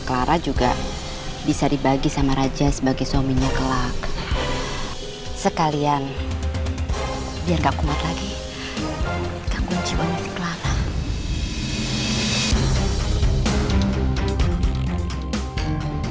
clara juga bisa dibagi sama raja sebagai suaminya kelak sekalian biar gak kuat lagi kelapa